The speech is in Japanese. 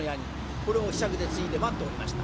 これをひしゃくでついで待っておりました。